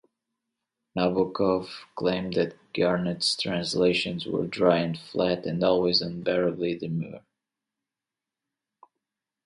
Nabokov claimed that Garnett's translations were dry and flat, and always unbearably demure.